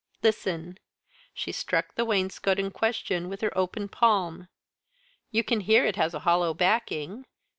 Listen!" She struck the wainscot in question with her open palm. "You can hear it has a hollow backing.